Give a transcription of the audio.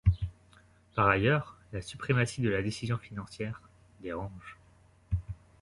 Par ailleurs, la suprématie de la décision financière dérange.